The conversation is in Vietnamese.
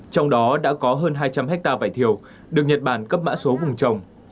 trong đó đã có hơn hai trăm linh hectare vải thiều được nhật bản cấp mã số vùng trồng